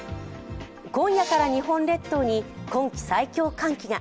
今夜から日本列島に今季最強寒気が。